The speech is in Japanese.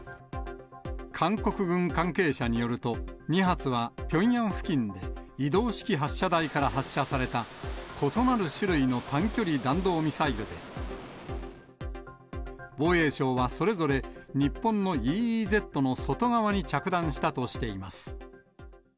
韓国軍関係者によると、２発はピョンヤン付近で、移動式発射台から発射された、異なる種類の単距離弾道ミサイルで、防衛省はそれぞれ、日本のＥＥＺの外側に着弾したとしています。